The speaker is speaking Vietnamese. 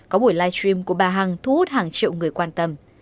có buổi live stream của bà hằng thu hút hàng triệu người quan tâm